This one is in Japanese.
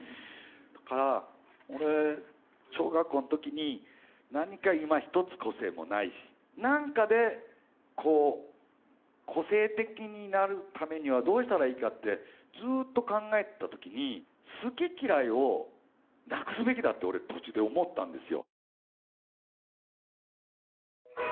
だから俺小学校の時に何かいまひとつ個性もないし何かでこう個性的になるためにはどうしたらいいかってずっと考えてた時に好き嫌いをなくすべきだって俺途中で思ったんですよ。